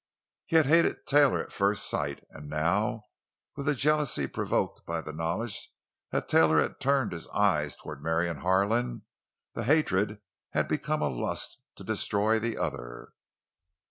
He had hated Taylor at first sight; and now, with the jealousy provoked by the knowledge that Taylor had turned his eyes toward Marion Harlan, the hatred had become a lust to destroy the other.